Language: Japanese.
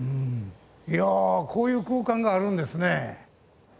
いやこういう空間があるんですね。